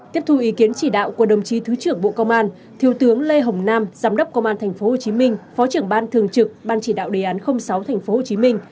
tiếp thu ý kiến chỉ đạo của đồng chí thứ trưởng bộ công an thiếu tướng lê hồng nam giám đốc công an tp hcm phó trưởng ban thường trực ban chỉ đạo đề án sáu tp hcm